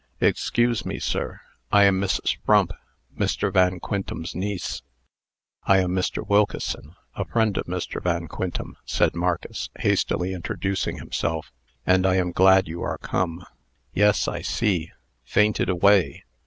"Excuse me, sir. I am Mrs. Frump, Mr. Van Quintem's niece." "I am Mr. Wilkeson, a friend of Mr. Van Quintem," said Marcus, hastily introducing himself; "and I am glad you are come." "Yes, I see. Fainted away.